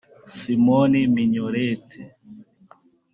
Simon Mignolet